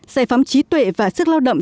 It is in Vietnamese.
xây phóng trí tuệ và sức lao động